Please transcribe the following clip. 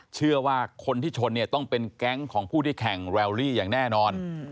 เชื่อว่าคนที่ชนเนี่ยต้องเป็นแก๊งของผู้ที่แข่งแรลลี่อย่างแน่นอน